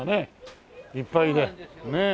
ねえ。